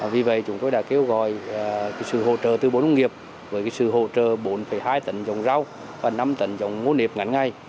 vì vậy chúng tôi đã kêu gọi sự hỗ trợ từ bốn nông nghiệp với sự hỗ trợ bốn hai tận dòng rau và năm tận dòng ngô niệp ngắn ngày